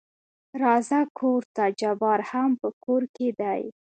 راځه کورته جبار هم په کور کې دى.